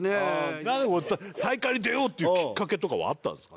大会に出ようっていうきっかけとかはあったんですか？